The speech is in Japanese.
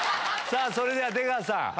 それでは出川さん。